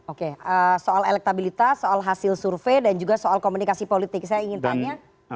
oke soal elektabilitas soal hasil survei dan juga soal komunikasi politik saya ingin tanya